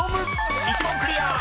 ［１問クリア！